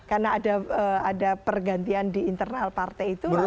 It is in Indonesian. karena ada pergantian di internal partai itu